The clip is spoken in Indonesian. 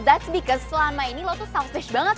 that's because selama ini lo tuh selfish banget